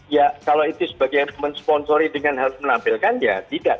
ya kalau itu sebagai mensponsori dengan harus menampilkan ya tidak